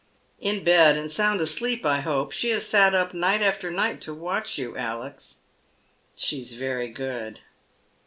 " In bed, and sound asleep, I hope. She has sat up night after night to watch you, Alex." " She is very good."